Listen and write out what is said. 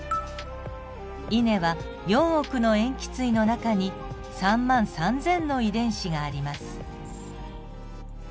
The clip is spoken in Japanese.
イネは４億の塩基対の中に３万３，０００の遺伝子があります。